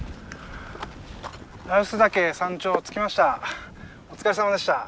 羅臼岳山頂着きました。